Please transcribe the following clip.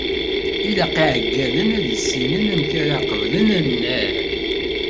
Ilaq iɛeggalen ad issinen amek ara qablen annar.